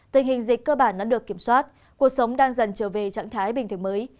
tình hình dịch cơ bản đã được kiểm soát cuộc sống đang dần trở về trạng thái bình thường mới